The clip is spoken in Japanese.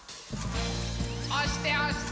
おしておして！